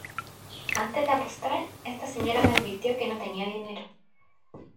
antes de apostar, esta señora me advirtió que no tenía dinero.